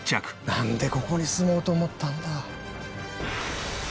なんでここに住もうと思ったんだ？